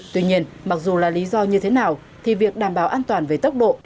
tuy nhiên mặc dù là lý do như thế nào thì việc đảm bảo an toàn về tốc độ